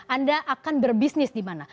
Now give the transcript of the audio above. anda akan berbisnis di mana